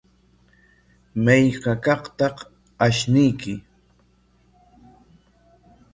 ¿Mayqa kaqtaq ashnuyki?